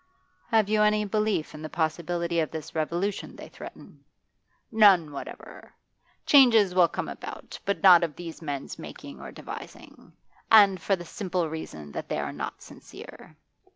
'Have you any belief in the possibility of this revolution they threaten?' 'None whatever. Changes will come about, but not of these men's making or devising. And for the simple reason that they are not sincere.